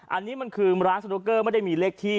อันนี้มันคือร้านสนุกเกอร์ไม่ได้มีเลขที่